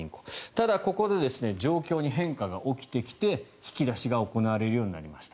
ただ、ここで状況に変化が起きてきて引き出しが行われるようになりました。